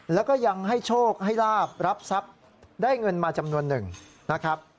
แล้วก็ยังให้โชคให้ลาบรับทรัพย์ได้เงินมาจำนวนหนึ่งนะครับ